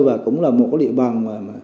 và cũng là một cái địa bàn